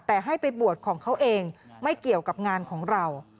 แต่ให้ไปบวชของเขาเองไม่เกี่ยวกับงานของเรา